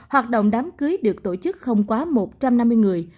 hoạt động đám cưới được tổ chức không quá một trăm năm mươi người